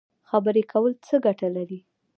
خبرې کول څه ګټه لري؟